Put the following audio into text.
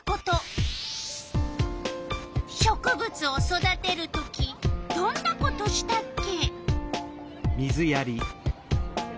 植物を育てる時どんなことしたっけ？